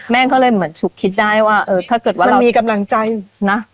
ก็เลยเหมือนฉุกคิดได้ว่าเออถ้าเกิดว่ามันมีกำลังใจนะ